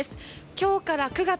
今日から９月。